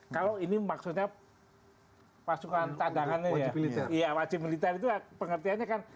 kalau ini maksudnya pasukan tandangan wajib militer itu pengertiannya kan